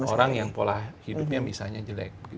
orang yang pola hidupnya misalnya jelek